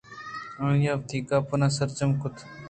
آئیءَ وتی گپ ناسرجم کُت